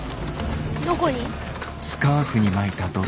どこに？